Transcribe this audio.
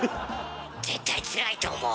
絶対つらいと思う。